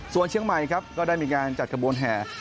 ส่วนเชียงใหม่ครับก็ได้มีการจัดขบวนแห่